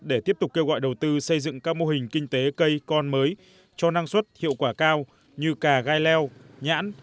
để tiếp tục kêu gọi đầu tư xây dựng các mô hình kinh tế cây con mới cho năng suất hiệu quả cao như cà gai leo nhãn